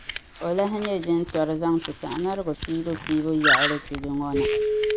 O lahi nyɛ jintɔri zaŋ ti Sagnarigu piibu-piibu yaɣili tudu ŋɔ na.